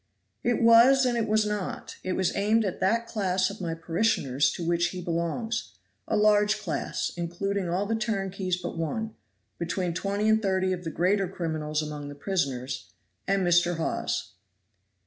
"It was and it was not. It was aimed at that class of my parishioners to which he belongs; a large class, including all the turnkeys but one, between twenty and thirty of the greater criminals among the prisoners and Mr. Hawes."